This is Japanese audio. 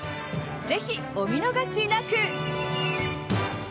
ぜひお見逃しなく！